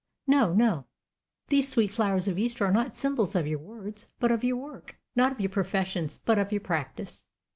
No, no: these sweet flowers of Easter are not symbols of your words, but of your work; not of your professions, but of your practice."